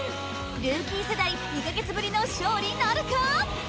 ルーキー世代２か月ぶりの勝利なるか？